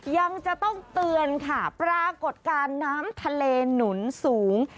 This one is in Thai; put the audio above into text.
ยังจะต้องเตือนค่ะปรากฏการณ์น้ำทะเลหนุนสูง